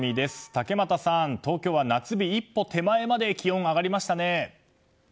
竹俣さん、東京は夏日一歩手前まで気温、上がりましたね。